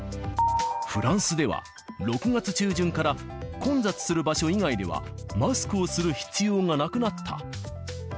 フランスでは、６月中旬から混雑する場所以外ではマスクをする必要がなくなった。